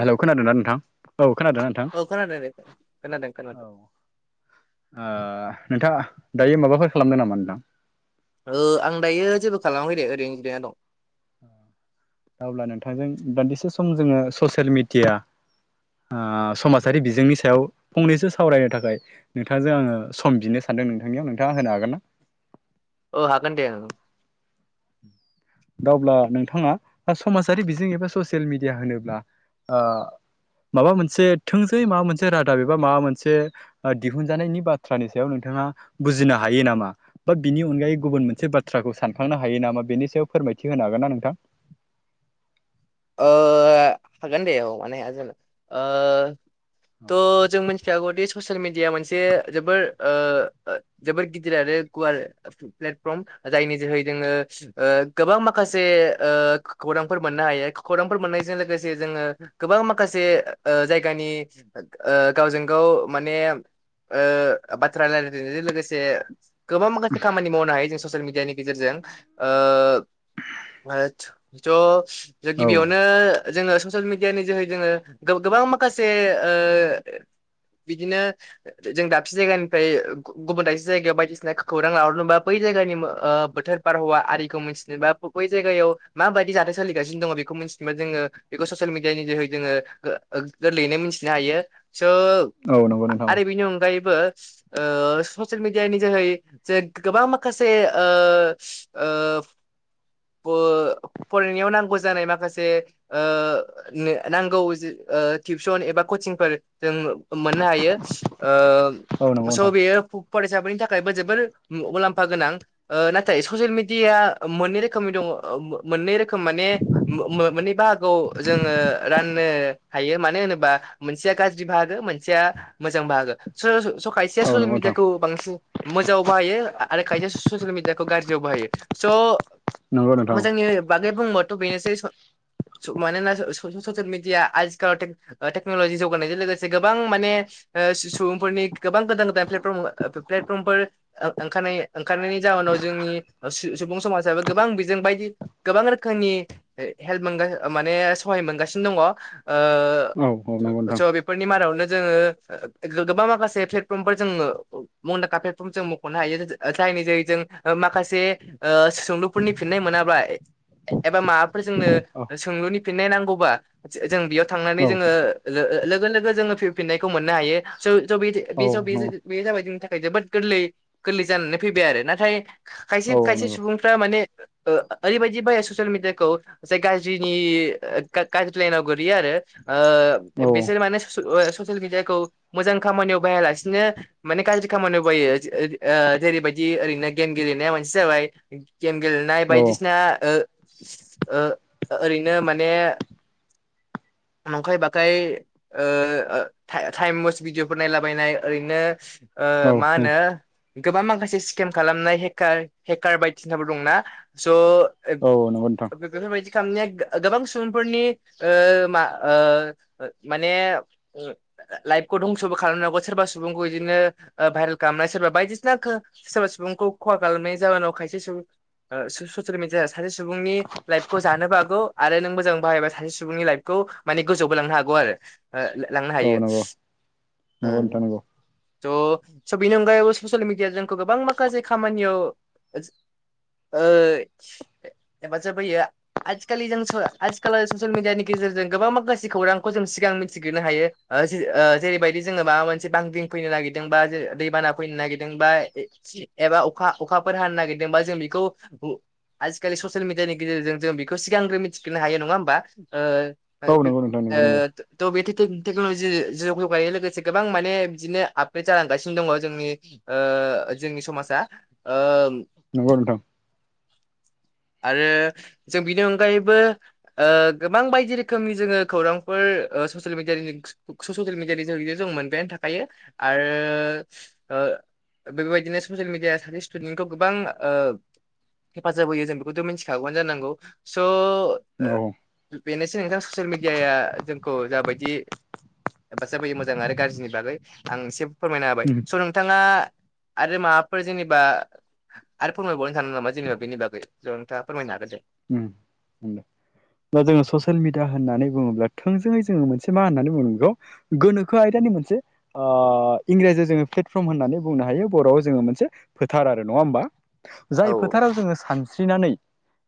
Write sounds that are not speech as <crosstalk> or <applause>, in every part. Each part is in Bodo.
हेलौ खोनादों दा नोंथां औ खोनादों नोंथां औ खोनादों दे खोनादों ओ खोनादों नोंथाङा दायो माबाफोर खालामदों नामा नोंथां ओ आं दायो जेबो खालामाखै दे ओरैनो जिरायना दं। अब्ला नोंथांजों दान्दिसे सम जोङो ससियेल मिडिया। ओ समाजारि बिजोंनि सायाव फंनैसो सावरायनो थाखाय नोंथांजों आङो सम बिनो सान दों नोंथांनियाव नोंथाङा होनो हागोन ना? ओ हागोन दे ओ दा अब्ला नोंथाङा समाजारि बिजों एबा ससियेल मिडिया होनोब्ला ओ माबा मोनसे थोंजोयै माबा मोनसे रादाब एबा माबा मोनसे ओ दिहुनजानायनि बाथ्रानि सायाव नोंथा ङा बुजिनो हायो नामा बा बिनि अनगायै गुबुन मोनसे बाथ्राखौ सानखांनो हायो नामा बेनि सायाव। फोरमायथि होनो हागोन ना नोंथां। ओ हागोन दे औ मानो हाया जानो ओ थ जों मिथिखागौ दि ससियेल मिडिया मोनसे जोबोर ओ ओ जोबोर गिदिर आरो गुवार प्लेटफर्म जायनि जोहै जोङो ओ गोबां माखासे ओ खौरांफोर मोननो हायो। खौरांफोर मोननायजों लोगोसे जोङो गोबां माखासे ओ जायगानि ओ गावजों गाव। माने बाथ्रा ओ रायलायनायजों लोगोसे। गोबां माखासे खामानि मावनो हायो जों ससियेल मिडियानि गेजेरजों ओ ओथ थ' जों औ गिबियावनो। जोङो ससियेल मिडियानि जोहै जोङो गो गोबां माखासे ओ बिदिनो जों दाबसे जायगानिफ्राय गु गुबुन दाबसे जायगायाव बायदिसिना खौरां लाहरनोबा बै जायगानि बोथोर बारहावा आरिखौ मिथिनोबा बै जायगायाव मा बायदि जाथाय सोलिगासिनो दङ बेखौ मिथिनोबा जोङो बेखौ ससियेल मिडियानि जोहै जोङो गो गोरलैयैनो मिथिनो हायो। सो औ नंगौ नोंथां औ आरो बेनि अनगायै बो ओ ससिल मिडियानि जोहै जे गोबां माखासे ओ ओ <inaudible> ओ फरायनायाव नांगौ जानाय माखासे ओ ने नांगौ ओ टिउसन एबा कचिंफोर जों मोननो हायो औ ओ नंगौ स' नोंथां बेयो फ फरायसाफोरनि थाखायबो जोबोर ओ मु मुलाम्फा गोनां नाथाय ससियेल मिडिया मोननै रोखोमनि दङ' मो मोननै रोखोम माने मो मोननै बाहागोआव जोङो रान नो हायो मानो होनोबा मोनसे गाज्रि बाहागो मोनसे मोजां बाहागो सरा स' खायसेया औ ससियेल नंगौ नोंथां मिडियाखौ बांसिन मोजाङाव बाहायो आरो खायसे ससियेल मिडिया खौ गाज्रियाव बाहायो स' नंगौ नोंथां मोजांनि बागै बुङोबाथ' बेनोसै स' स' मानोना स' ससियेल मिडिया आजिखालाव टेट ओ टेक्न'लजि जौगानायजों लोगोसे गोबां माने ओ सुबुंफोरनि गोबां गोदान गोदान प्लेटपर्म ओ प्लेटफर्मफोर ओं ओंखारनाय ओं ओंखारनायनि जाहोनाव जोंनि सुबुं समाजाबो गोबां बिजों बायदि गोबां रोखोमनि हे हेल्प मोनगोन माने सहाय मोनगासिनो दङ ओ औ नंगौ नोंथां स' बेफोरनि मादावनो जोङो गो गोबां माखासे प्लेटफर्म फोर जोङो मुंदांखा प्लेटफर्म जों मख'नो हायो जोंजों जा जायनि जोहै जों ओ माखासे ओ सोंलुफोरनि फिन्नाय मोनाब्ला ए एबा औ माबाफोरजोंनो सोंलुनि फिन्नाय नांगौ बा जों जों बेयाव थांनानै औ जोङो लो लोगो लोगो जोङो फि फिनायखौ मोननो हायो। स' <unintelligible> नंगौ जाबाय। जोंनि थाखाय जोबोद गोरलै गोरलै जानानै फैबाय आरो नाथाय खायसे औ खायसे नंगौ सुबुंफ्रा माने ओ ओरै बायदि बायो ससियेल मिडियाखौ। जाय गाज्रिनि ओ गा गाज्रि लाायनाव गोलैयो‌ आरो ओ औ औ बिसोर माने ससियेल अ ससियेल मिडियाखौ मोजां खामानियाव बाहायालासिनो माने गाज्रि खामानियाव बाहायो ओ ओ जेरैबायदि। ओरैनो गेम गेलेनाया मोनसे जाबाय। गेम गेलेनाय बायदिसिना ओ ओ ओरैनो माने नंखाय बाखाय ओ ओ टाइम वेस्ट भिडिअफोर नायलाबायनाय ओरैनो ओ औ मा होनो गोबां माखासे स्केम खालामनाय हेकार हेकार बायदिसिनाबो दंना स' ओ औ नंगौ नोंथां बे-बेफोरबायदि खालामनाया गो गोबां सुबुंफोरनि ओ मा ओ माने ओ लाइफखौ धंस'बो खालामनो हागौ सोरबा सुबुंखौ इदिनो ओ भाइरेल खामनाय सोरबा बायदिसिना खो सोरबा सुबुंखौ खहा खालामनाय जाहोनाव खायसे सुबुं ओ स-ससेल मेदिया सासे सुबुंनि लाइफखौ जानोबो हागौ आरो नों मोजां बाहायबा सासे सुबुंनि लाइफखौ माने गोजौआवबो लांनो हागौ आरो ओ लांनो औ हायो। नंगौ नंगौ नोंथां ओं नंगौ स' स' बेनि अनगायैबो ससियेल मिडिया जोंखौ गोबां माखासे खामानियाव ओ एबाजाब होयो आथिखालि जों स' आथिखाल ससेल मिडियानि गेज जेरजों गोबां मा खासे खौरांखौ जों सिगां मिन्थिग्रोनो हायो। ओ जि ओ जेरैबायदि जोङो माबा मोनसे बांग्रिं फैनो नागिरदों बा जे दैबाना फैनो नागिरदों बा एबा अखा अखाफोर हानो नागिरदोंबा जों बिखौ आजिखालि ससेल मिडियानि गेजेरजों जों बिखौ सिगांग्रो मिथिग्रोनो हायो नङा होमबा? ओ औ <unintelligible> नंगौ नोंथां नंगौ नंगौ टेक्न'लजि जो जौगानायनाय लोगोसे गोबां माने बिदिनो आपग्रेड जालांगासिनो दङ जोंनि ओ ओ जोंनि समासा ओ नंगौ नोंथां। आरो जों बिनि अनगायैबो ओ गोबां बायदि रोखोमनि जोङो खौरांफोर ओ स'सियेल मिडयानि स'सियेल मिडयानि गेजेर जों मोनबायानो थाखायो आरो ओ बेबायदिनो ससियेल मिडियाया सासे स्टुडेन्टखौ गोबां ओ हेफाजाब होयो जों बे खौथ' मिथिखागौआनो जानांगौ स' बेनोसै नोंथां ससिल मिडियाया जोंखौ जाबायदि हेफाजाब होयो मोजां आरो गारज्रिनि बागै आं एसे फोरमायना हाबाय। स' नोंथाङा आरो माबाफोर जेनेबा आरो फोरमायबावनो सानदों नामा जेनेबा बेनि बागै? ज नोंथाङा फोरमनो हागोन दे। उम होन दे। दा जोङो ससियेल मिडिया होन्नानै बुङोब्ला थोंजोङै जोङो मोनसे मा होननानै बुंनांगौ इखौ गोनो आयदा नि मोनसे ओ इंराजियाव जोङो प्लेटफर्म होननानै बुंनो हायो बर'आव जोङो मोनसे फोथार आरो। नङा होमबा? औ जाय फोथाराव जोङो सानस्रिनानै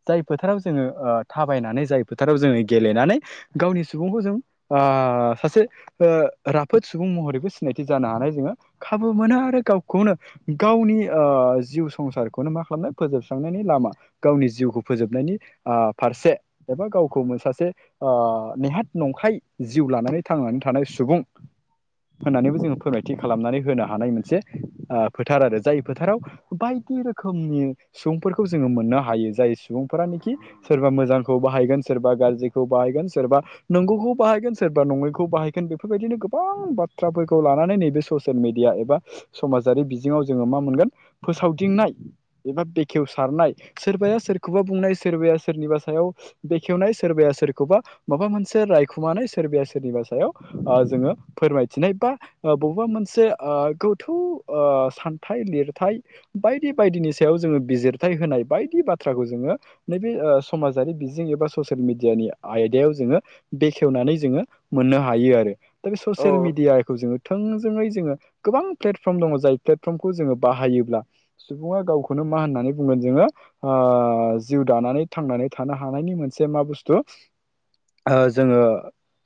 जाय फोथाराव जोङो ओ थाबायनानै जाय फोथाराव जोङो गेलेनानै गावनि सुबुंखौ जों आ आ सासे ओ राफोद सुबुं महरैबो सिनायथि जानो हानाय जोङो खाबु मोनो आरो गावख खौनो गावनि ओ जिउ संसारखौनो मा खालामनो फोजोबस्रांनायनि लामा गावनि जिउखौ फोजोबनायनि आ फारसे एबा गावखौ मोन सासे आ नेहाथ नंखाय जिउ खौ लानानै थांनानै थानाय सुबुं होननानैबो जोङो फोरमायथि खालामनानै होनो हानाय मोनसे ओ फोथार आरो। जाय फोथाराव बाय दि रोखोमनि सुबुंफोरखौ जोङो मोननो हायो जाय सुबुंफोरानोखि सोरबा मोजांखौ बाहायगोन सोरबा गाज्रिखौ बाहायगोन सोरबा नंगौखौ बाहायगोन सोर बा नङैखौ बाहायगोन बेफोरबायदिनो गोबां बाथ्राफोरखौ लानानै नैबे ससेल मिडिया एबा समाजा आरि बिजोङाव जोङो मा मोनोन फोसावदिंनाय एबा बेखेवसारनाय। सोरबाया सोर खौबा बुंनाय सोरबाया सोरनिबा सायाव बेखेवनाय सोरबाया सोरखौबा माबा मोनसे रायखुमानाय सो सोरबाया सोरनिबा सायाव ओ जोङो फोरमायथिनाय बा बबेबा मोनसे ओ गोथौ ओ सानथाइ लिरथाय बायदि बायदिनि सायाव जोङो बिजिरथाय होनाय बायदि बाथ थ्राखौ जोङो नैबे ओ समाजारि बिजिं एबा ससेल मिडियानि आयदायाव जोङो बेखेवना नानै जोङो मोननो हायो आरो। दा बे ससेल औ मिडियाखौ जोङो थों जोङै जोङो गोबां प्लेटफर्म दङ जाय प्लेटफर्मखौ जोङो बाहायोब्ला सुबुङा गावखौनो मा होनना नै बुंगोन जोङो आ जिउ दानानै थांनानै थानो हानायनि मोनसे मा बुस्थु ओ जोङो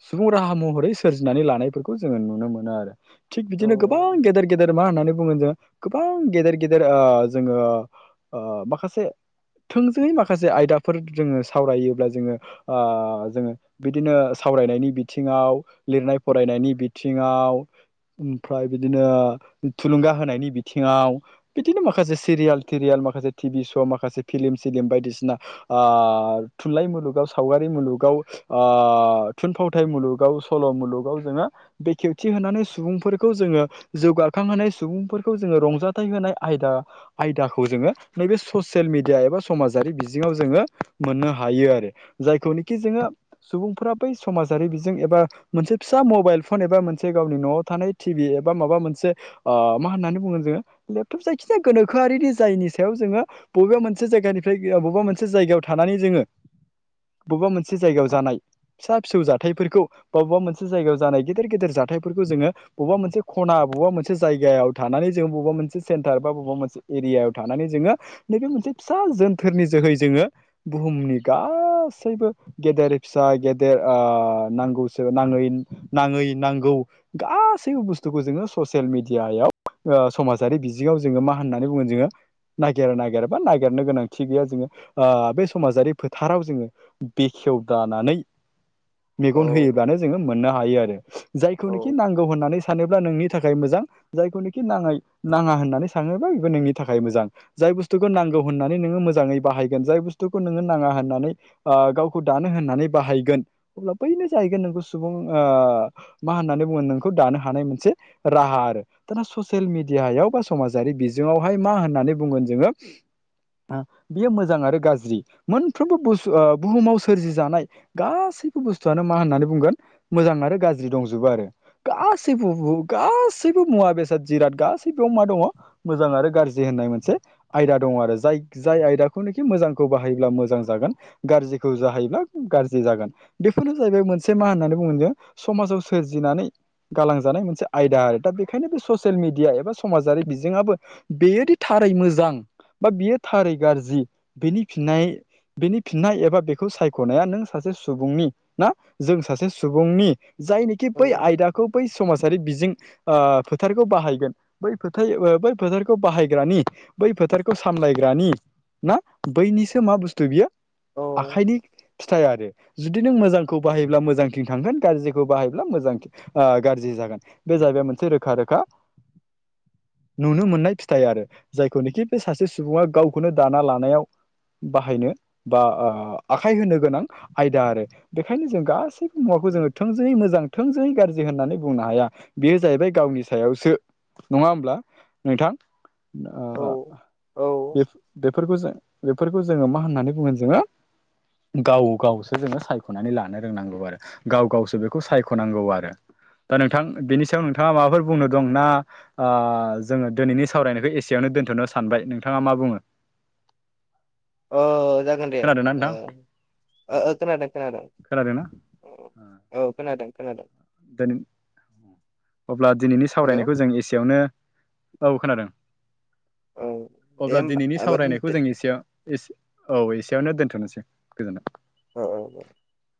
सुबुं राहा महरै सोरजिनानै लानायफोरखौ जोङो नुनो मोनो आरो। थिग औ बिदिनो गोबां गेदेर गेदेर मा होननानै बुंगोन जों गोबां गेदेर गेदेर जोङो माखासे थोंजोङै माखासे आयदाफोर जोङो सावरायोब्ला जोङो जोङो बिदिनो सावरायनायनि बिथिङाव लिरनाय फरायनायनि बिथिङाव ओमफ्राय बिदिनो थुलुंगा होनायनि बिथिङाव बिदिनो माखासे सिरियाल तिरियेल माखासे टि भि श माखासे ओ फिलिम सिलिम बायदिसिना थुनलाइ मुलुगाव सावगारि मुलुगाव थुनफावथाय मुलुगाव सल मुलुगाव जोङो बेखेवथि होनानै सुबुंफोरखौ जोङो जौगा खांहोनाय सुबुंफोरखौ जोङो रंजाथाइ होनाय आयदा आयदाखौ जोङो नैबे ससियेल मेडि या एबा समाजारि बिङाव जोङो मोननो हायो आरो जायखौनोखि जोङो सुबुंफोर समाजारि बिजों एबा मोनसे फिसा मबाइल फन एबा मोनसे गावनि न'आव थानाय टि भि एबा माबा मोनसे मा होननानै बुङो जोङो लेपटप जायखिजाया गोनोखोआरिनि जायनि सायाव जोङो बबेबा मोनसे मोनसे जायगानिफ्राय बबेबा मोनसे जायगायाव थानानै जोङो बबेबा मोनसे जायगायाव जानाय फिसा फिसौ जाथायफोरखौ बा बबेबा मोनसे जायगायाव जानाय गेदेर गेदेर जाथायफोरखौ जोङो बबेबा मोनसे खना बबेबा मोनसे जायायाव थानानै जों बबा मोनसे सेन्टार बा बबेबा मोनसे एरियायाव थानानै जोङो नैबे मोनसे फिसा जोनथोरनि जोहै जोङो बुहुमनि गासैबो गेदेर फिसा गेदेर नांगौसो नागै नांगौ गासैबो बस्तुखौ जोङो ससि मेडियायाव समाजारि बिजोङाव जोङो नागिर नागिर बा नागेरनो गोनांथि गैया जोङो बे समाजारि फोथाराव जोङो बेखेवदानानै औ मेगन होयोब्लानो जोङो मोननो हायो आरो जायखौनोखि नांगौ होननानै सानोब्ला नोंनि थाखाय मोजां जायखौनोखि नाङ नाङा होननानै सानोबा बेबो नोंनि थाखाय मोजां। जाय बुस्थुखौ नांगौ होननानै नोङो मोजाङै बाहायगोन जाय बुस्थुखौ नोङो नाङा होननानै गावखौ दानो होननानै बाहायगोन अब्ला बैनो जाहैगोन नोंखौ सुबुं मा होननानै बुङो नोंखौ दानो हानाय मोनसे रा हा आरो दाना ससियेल मिडियाायाव बा समाजारि बिजोङावहाय मा होननानै बुंगोन जोङो <inaudible> बेयो मोजां आरो गाज्रि मोनफ्रोमबो बुहुमाव सोरजिजानाय गासैबो बआनो मा होननानै बुंगोन मोजां आरो गाज्रि दंजोबो आरो गासैबो गासैबो मुवा बेसाद जिराद गासैबोआव मा दङ मोजां आरो गाज्रि होननाय मोनसे आयदा दङो आरो जाय जाय आयदाखौनो मोजांखौ बाहायोब्ला मोजां जागोन गाज्रिखौ जाहोयोब्ला गा जागोन बेफोरनो जाहैबाय मोनसे मा होननानै बुंगोन समाजाव सोरजिनानै गालांजानाय मोनसे आय आयदा आरो दा बेखायनो बे ससियेल मिडिया एबा समाजारि बिजोङाबो बेबो थारै मोजां बा बियो थारै गाज्रि बिनि फिननाय बेनि फिननाय एबा बेखौ सायख'नाया नों सासे सुबुंनि ना जों सासे सुबुंनि जायनोखि बै आयदाखौ बै समाजारि बिजों ओ फोथारखौ बाहायगोन बै फोथाय आ बै फोथारखौ बाहायग्रानि बै फोथार खौ सामलायग्रानि ना बैनिसो मा बुस्थु बियो आखाइनि फिथाइ आरो जुदि नों मोजांखौ बाहायोब्ला मोजांथिं थांगोन गाज्रिखौ बाहायब्ला मोजां गाज्रि जागोन बे जाबाय मोनसे रोखा रोखा नुनो मोननाय फिथाइ आरो जायखौनोखि बे सासे सुबुङा गावखौनो दाना लानायाव बाहायनो बा ओ आखाय होनो गोनां आयदा आरो बेखायनो जों गासै मुवाखौ जों थोंजोङै मोजां थों जों गाज्रि होननानै बुंनो हाया बेयो जाहैबाय गावनि सायावसो नङा होमब्ला नोंथां बेफोरखौ जों <unintelligible> बेफोरखौ जोङो मा होननानै बुङो जोङो गाव गावसो जोङो सायख'नानै लानो रोंनांगौ आरो गाव गावसो बेखौ सायख'नांगौ आरो दा नोंथां बेनि सायाव नोंथाङा माबाफोर बुंनो दं ओ जोङो दिनैनि सावरायनायखौ एसेयावनो दोनथ'नो सानबाय नोंथाङा मा बुङो। औ जागोन दे खोनादोंना ओ नोंथां ओ खोनादों खोनादों। खोनादोंना औ औ खोनादों खोनादों। <inaudible> अब्ला दिनैनि हेल' सावरायनायखौ जों एसेयावनो औ खोनादों। औ दे अब्ला होमबा दिनैनि माबा दोनदो। सावरायनायखौ जों एसे एस औ एसेयावनो दोनथ'नोसै गोजोनथों औ औ